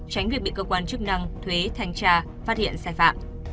tránh việc bị cơ quan chức năng thuế thanh tra phát hiện sai phạm